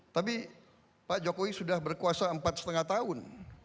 tapi pak jokowi sudah berkuasa empat lima tahun